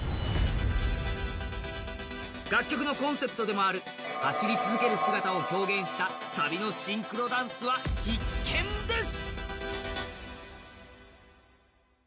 楽曲のコンセプトでもある走り続ける姿を表現したサビのシンクロダンスは必見です！